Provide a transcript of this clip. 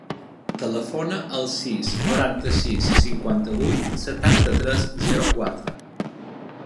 Telefona al sis, noranta-sis, cinquanta-vuit, setanta-tres, zero, quatre.